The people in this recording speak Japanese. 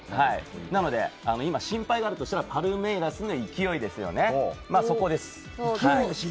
なので今、心配があるとしたらパルメイラスの勢いですよね。